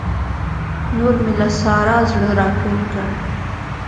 نور مې له سارا زړه راټول کړ.